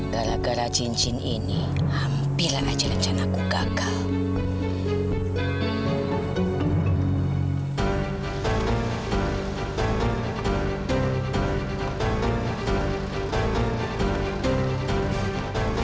gara gara cincin ini hampir aja rencana aku gagal